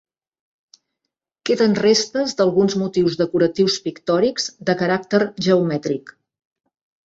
Queden restes d'alguns motius decoratius pictòrics de caràcter geomètric.